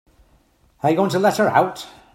Are you going to let her out?